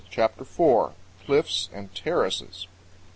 89 CHAPTER IV. CLIFFS AND TERRACES.